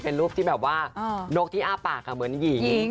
เป็นรูปที่นกที่อ้าฟปากเหมือนหญิง